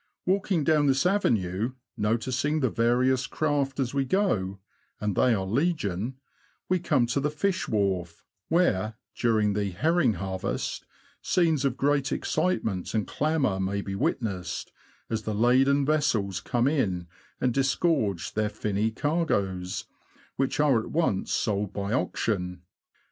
Walking down this avenue, noticing the various craft as we go (and they are legion), we come to the Fish Wharf, where, during the '* herring harvest,'' scenes of great excitement and clamour may be witnessed, as the laden vessels come in and disgorge their finny cargoes, which are at once sold by auction.